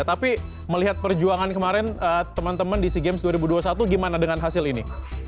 tapi melihat perjuangan kemarin teman teman di sea games dua ribu dua puluh satu gimana dengan hasil ini